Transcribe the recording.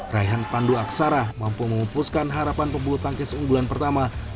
raihan pandu aksara mampu memupuskan harapan pebulu tangkis unggulan pertama